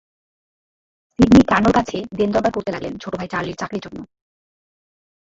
Sydney কার্নোর কাছে দেনদরবার করতে লাগলেন ছোট ভাই চার্লির চাকরির জন্য।